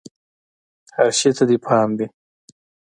هر شي ته دې پام وي!